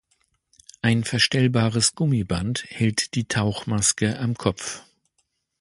Ein verstellbares Gummiband hält die Tauchmaske am Kopf.